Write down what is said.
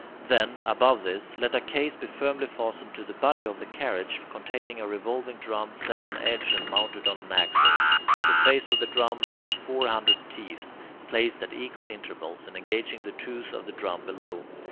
Then, above this, let a case be firmly fastened to the body of the carriage, containing a revolving drum set on edge and mounted on an axle; on the face of the drum there are four hundred teeth, placed at equal intervals, and engaging the tooth of the drum below.